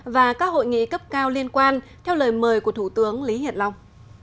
và các hội nghị cấp cao liên quan theo lời mời của thủ tướng lý hiển long